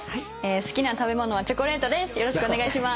好きな食べ物はチョコレートです。